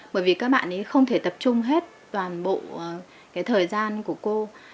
bởi vì các bạn ấy không thể tập trung hết toàn bộ cái thời gian của cô